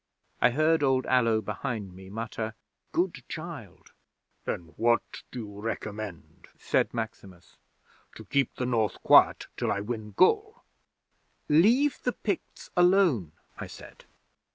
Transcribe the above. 'I heard old Allo behind me mutter: "Good child!" '"Then what do you recommend," said Maximus, "to keep the North quiet till I win Gaul?" '"Leave the Picts alone," I said.